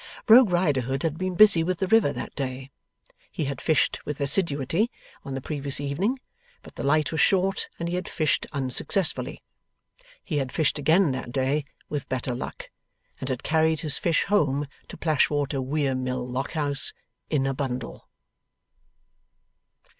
Rogue Riderhood had been busy with the river that day. He had fished with assiduity on the previous evening, but the light was short, and he had fished unsuccessfully. He had fished again that day with better luck, and had carried his fish home to Plashwater Weir Mill Lock house, in a bundle.